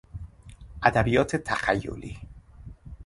ادبیات تخیلی